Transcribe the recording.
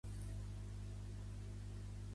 Pertany al moviment independentista la Pili?